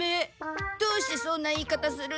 どうしてそんな言い方するの？